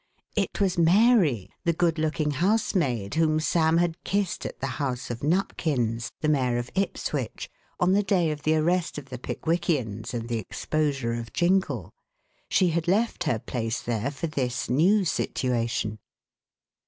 It was Mary, the good looking housemaid whom Sam had kissed at the house of Nupkins, the mayor of Ipswich, on the day of the arrest of the Pickwickians and the exposure of Jingle. She had left her place there for this new situation.